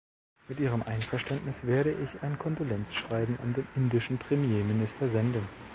Mit Ihrem Einverständnis werde ich ein Kondolenzschreiben an den indischen Premierminister senden.